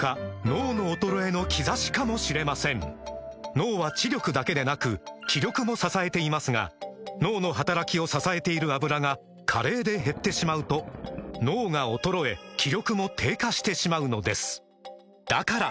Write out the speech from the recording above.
脳の衰えの兆しかもしれません脳は知力だけでなく気力も支えていますが脳の働きを支えている「アブラ」が加齢で減ってしまうと脳が衰え気力も低下してしまうのですだから！